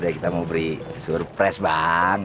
kita mau beri surprise bang